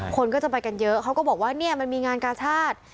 คนก็จะไปกันเยอะเขาก็บอกว่าเนี่ยมันมีงานกาชาติ